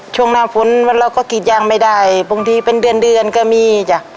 ช่วงหน้าฝนเราก็กรีดยางไม่ได้บางทีเป็นเดือนเดือนก็มีจ้ะ